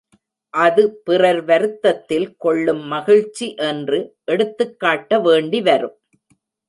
அது பிறர் வருத்தத்தில் கொள்ளும் மகிழ்ச்சி என்று எடுத்துக் காட்ட வேண்டிவரும்.